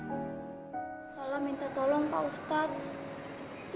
tolong minta tolong pak ustadz